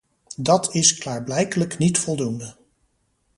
Dat is klaarblijkelijk niet voldoende.